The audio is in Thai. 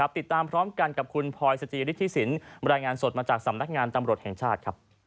ติดตามพร้อมกันกับคุณพลอยสจิฤทธิสินบรรยายงานสดมาจากสำนักงานตำรวจแห่งชาติ